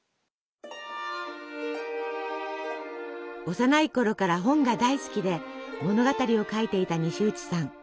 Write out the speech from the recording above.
幼いころから本が大好きで物語を書いていた西内さん。